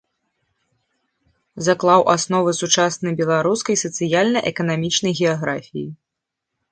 Заклаў асновы сучаснай беларускай сацыяльна-эканамічнай геаграфіі.